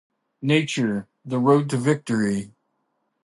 Nature: The Road to Victory.